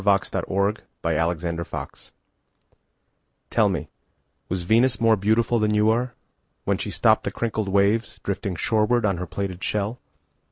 Venus Transiens By Amy Lowell TELL me, Was Venus more beautifulThan you are, When she stoppedThe crinkled waves, Drifting shorewardOn her plaited shell?